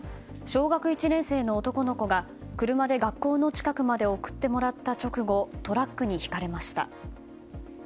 小学１年生の男の子が車で学校の近くまで送ってもらった直後トラックにひかれました。